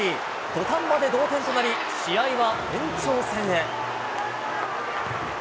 土壇場で同点となり、試合は延長戦へ。